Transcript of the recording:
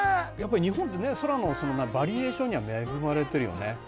やっぱり日本ってね空のバリエーションには恵まれてるよね